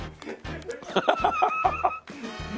ハハハハッ！